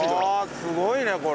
すごいねこれ。